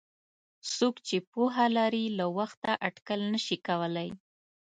څوک چې پوهه لري له وخته اټکل نشي کولای.